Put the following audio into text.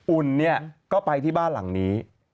อุ่นเนี่ยก็ไปที่บ้านหลังนี้